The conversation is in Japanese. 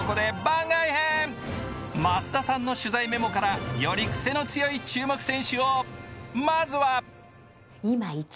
増田さんの取材メモからよりクセの強い注目選手を。